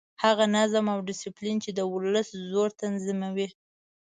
هغه نظم او ډسپلین چې د ولس زور تنظیموي.